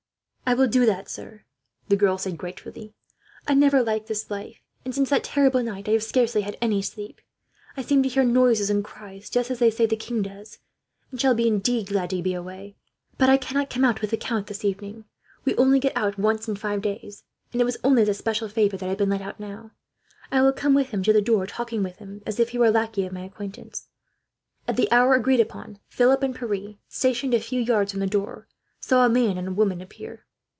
"I will do that, sir," the girl said gratefully. "I never liked this life, and since that terrible night I have scarcely had any sleep. I seem to hear noises and cries, just as they say the king does, and shall be indeed glad to be away. "But I cannot come out with the count, this evening. We only get out once in five days, and it was only as a special favour I have been let out, now. I will come with him to the door, talking with him as if he were a lackey of my acquaintance." At the hour agreed upon Philip and Pierre, stationed a few yards from the door, saw a man and woman appear.